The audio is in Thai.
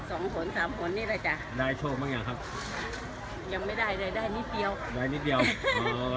สองขนสามขนนี่แหละจำได้โชว์บางอย่างครับยังไม่ได้เลยได้นิดเดียว